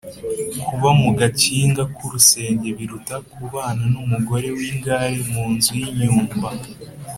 kuba mu gakinga k’urusenge, biruta kubana n’umugore w’ingare mu nzu y’inyumba